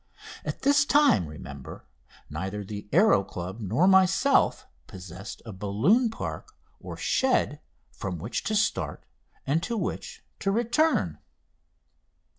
At this time, remember, neither the Aéro Club nor myself possessed a balloon park or shed from which to start and to which to return.